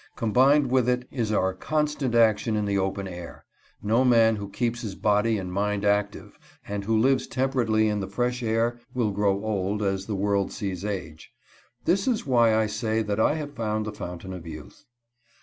Combined with it is our constant action in the open air. No man who keeps his body and mind active, and who lives temperately in the fresh air, will grow "old" as the world sees age. This is why I say that I have found the Fountain of Youth.